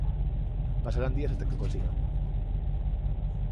Pasarán días ata que o consigan.